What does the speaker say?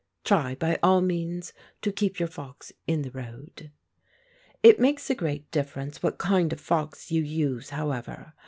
Try by all means to keep your fox in the road! It makes a great difference what kind of fox you use, however.